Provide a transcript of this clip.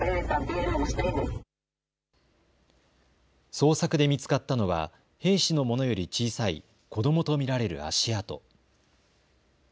捜索で見つかったのは兵士のものより小さい子どもと見られる足跡。